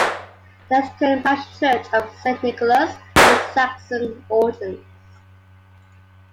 The Anglican parish Church of Saint Nicholas has Saxon origins.